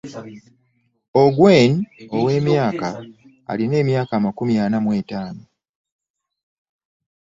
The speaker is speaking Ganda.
Ongwen ow'emyaka Alina emyaka amakumi ana mu etaano